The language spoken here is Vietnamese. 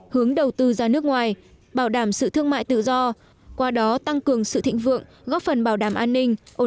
hướng đầu tư ra nước ngoài